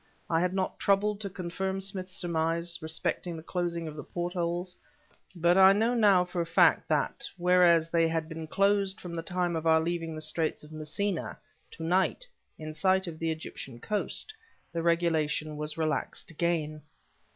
I had not troubled to confirm Smith's surmise respecting the closing of the portholes; but I know now for a fact that, whereas they had been closed from the time of our leaving the Straits of Messina, to night, in sight of the Egyptian coast, the regulation was relaxed again.